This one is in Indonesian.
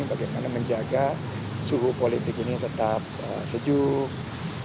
bagaimana menjaga suhu politik ini tetap sejuk